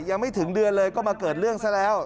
ยังไม่ถึงเดือนเลยก็มาเกิดเรื่องซะแล้ว